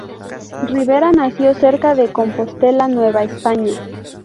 Rivera nació cerca de Compostela, Nueva España.